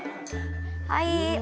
はい。